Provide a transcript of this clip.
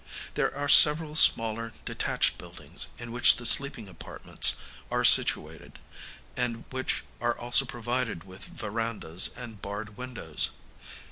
There are several smaller detached buildings, in which the sleeping apartments are situated, and which are also provided with verandahs and barred windows.